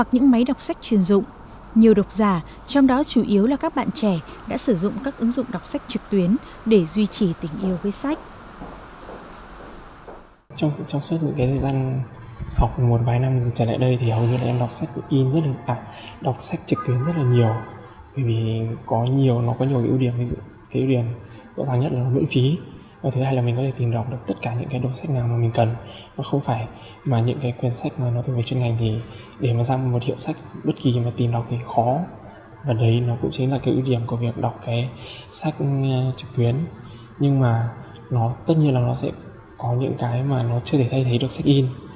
nhưng mà nó tất nhiên là nó sẽ có những cái mà nó chưa thể thay thấy được sách in